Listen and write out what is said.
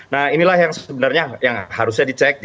nah inilah yang sebenarnya yang harusnya dicek